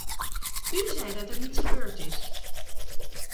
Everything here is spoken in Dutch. U zei dat er niets gebeurd is.